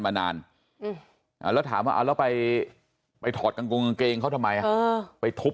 มานานแล้วถามว่าอะไรไปถอดกางกูงเกรงข้าวทำไมไปทูป